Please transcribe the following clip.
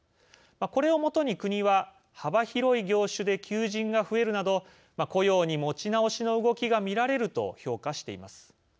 これを基に、国は幅広い業種で求人が増えるなど雇用に持ち直しの動きが見られると評価しています。